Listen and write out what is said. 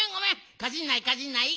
かじんないかじんない。